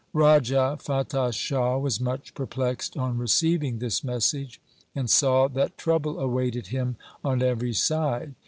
Raja Fatah Shah was much perplexed on receiving this message, and saw that trouble awaited him on every side.